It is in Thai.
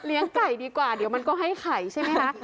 ไก่ดีกว่าเดี๋ยวมันก็ให้ไข่ใช่ไหมคะ